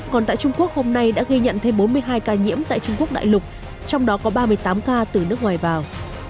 còn tại trung quốc hôm nay đã ghi nhận thêm bốn mươi hai ca nhiễm tại trung quốc đại lục trong đó có ba mươi tám ca từ nước ngoài vào